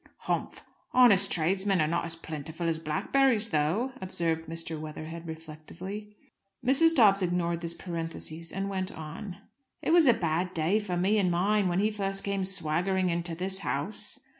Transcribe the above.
"Humph! Honest tradesmen are not as plentiful as blackberries, though," observed Mr. Weatherhead, reflectively. Mrs. Dobbs ignored this parenthesis, and went on: "It was a bad day for me and mine when he first came swaggering into this house."